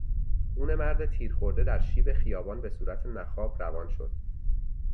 خون مرد تیر خورده در شیب خیابان بهصورت نخاب روان شد.